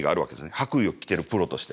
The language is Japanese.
白衣を着てるプロとして。